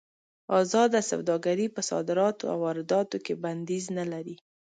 ازاده سوداګري په صادراتو او وارداتو کې بندیز نه لري.